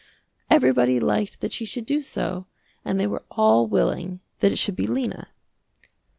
Everybody liked that she should do so and they were all willing that it should be Lena.